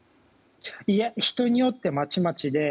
いいえ人によってまちまちで。